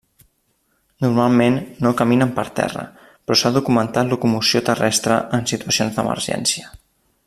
Normalment no caminen per terra, però s'ha documentat locomoció terrestre en situacions d'emergència.